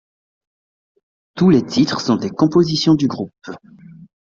Tous les titres sont des compositions du groupe.